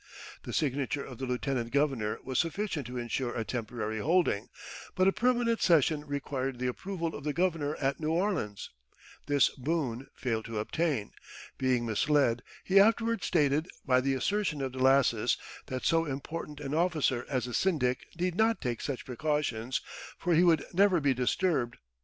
The signature of the lieutenant governor was sufficient to insure a temporary holding, but a permanent cession required the approval of the governor at New Orleans; this Boone failed to obtain, being misled, he afterward stated, by the assertion of Delassus that so important an officer as a syndic need not take such precautions, for he would never be disturbed.